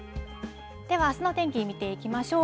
では、あすの天気、見ていきましょう。